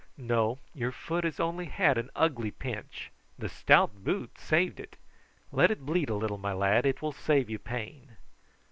"No; your foot has only had an ugly pinch; the stout boot saved it. Let it bleed a little, my lad; it will save you pain."